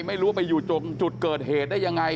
ไม่รู้ว่าไปอยู่จุดเกิดเหตุได้ยังไง